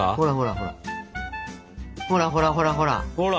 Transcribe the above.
ほらほらほらほら！ほら！